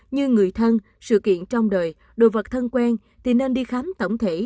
như người thân sự kiện trong đời đồ vật thân quen thì nên đi khám tổng thể